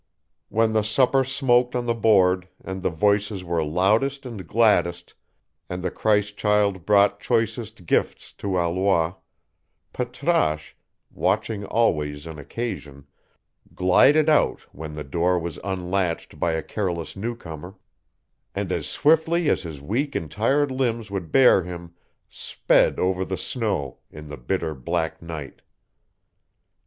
When the supper smoked on the board, and the voices were loudest and gladdest, and the Christ child brought choicest gifts to Alois, Patrasche, watching always an occasion, glided out when the door was unlatched by a careless new comer, and as swiftly as his weak and tired limbs would bear him sped over the snow in the bitter, black night.